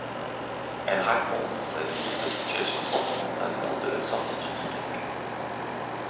Elle raconte sa vie et sa situation sentimentale lors de la sortie du disque.